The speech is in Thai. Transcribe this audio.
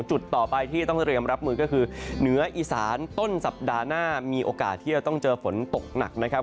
จุดต่อไปที่ต้องเตรียมรับมือก็คือเหนืออีสานต้นสัปดาห์หน้ามีโอกาสที่จะต้องเจอฝนตกหนักนะครับ